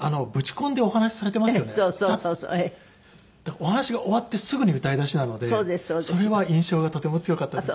お話が終わってすぐに歌いだしなのでそれは印象がとても強かったです。